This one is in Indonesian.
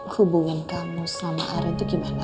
hubungan kamu sama aren itu gimana